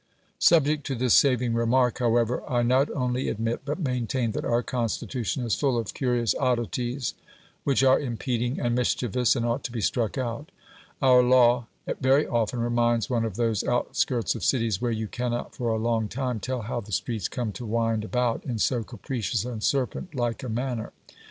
Subject to this saving remark, however, I not only admit, but maintain, that our Constitution is full of curious oddities, which are impeding and mischievous, and ought to be struck out. Our law very often reminds one of those outskirts of cities where you cannot for a long time tell how the streets come to wind about in so capricious and serpent like a manner.